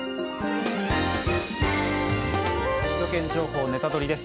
「首都圏情報ネタドリ！」です。